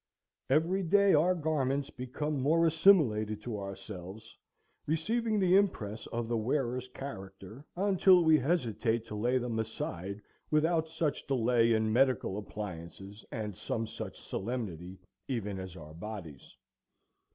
Every day our garments become more assimilated to ourselves, receiving the impress of the wearer's character, until we hesitate to lay them aside, without such delay and medical appliances and some such solemnity even as our bodies.